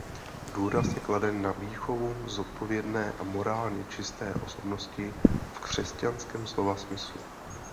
Důraz je kladen na výchovu zodpovědné a morálně čisté osobnosti v křesťanském slova smyslu.